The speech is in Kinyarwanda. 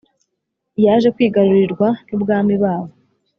yaje kwigarurirwa n’Ubwami babo